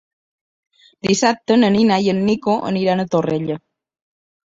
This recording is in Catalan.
Dissabte na Nina i en Nico aniran a Torrella.